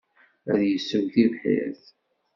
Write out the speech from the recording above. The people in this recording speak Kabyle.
Ad yessew tibḥirt.